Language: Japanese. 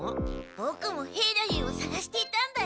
ボクも兵太夫をさがしていたんだよ。